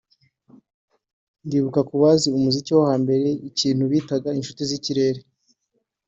ndibuka ku bazi umuziki wo hambere ikintu bitaga inshuti z’ikirere